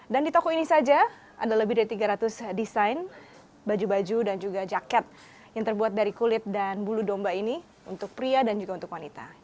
dan di toko ini saja ada lebih dari tiga ratus desain baju baju dan juga jaket yang terbuat dari kulit dan bulu domba ini untuk pria dan juga untuk wanita